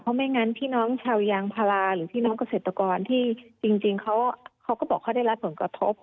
เพราะไม่งั้นพี่น้องชาวยางพาราหรือพี่น้องเกษตรกรที่จริงเขาก็บอกเขาได้รับผลกระทบ